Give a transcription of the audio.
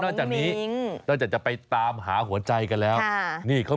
นอกจากนี้เราจะจะไปตามหาหัวใจกันน๊า